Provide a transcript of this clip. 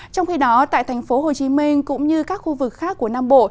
trong khi đó tại thành phố hồ chí minh cũng như các khu vực khác của nam bộ